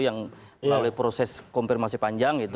yang melalui proses konfirmasi panjang gitu